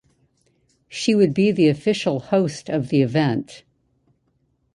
She would be the official Host of the Event.